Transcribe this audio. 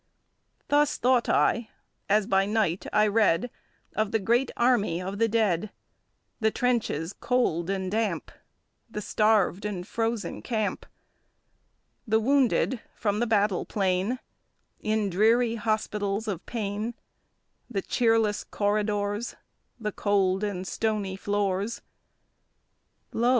Thus thought I, as by night I read Of the great army of the dead, The trenches cold and damp, The starved and frozen camp. The wounded from the battle plain In dreary hospitals of pain, The cheerless corridors, The cold and stony floors. Lo!